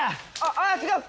あっ違う！